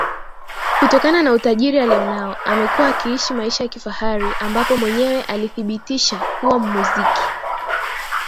kutokana na utajiri alionao amekuwa akiishi maisha ya kifahari ambapo mwenyewe alithibitisa kuwa muziki